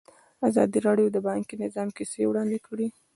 ازادي راډیو د بانکي نظام کیسې وړاندې کړي.